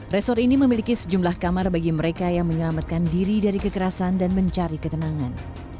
resor ini memiliki sejumlah kamar bagi mereka yang menyelamatkan diri dari kekerasan dan mencari ketenangan